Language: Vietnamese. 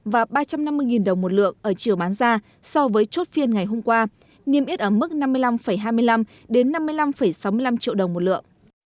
và ba trăm năm mươi đồng một lượng ở chiều bán ra so với chốt phiên ngày hôm qua niêm yết ở mức năm mươi năm hai mươi năm năm mươi năm sáu mươi năm triệu đồng một lượng